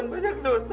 burhan ya allah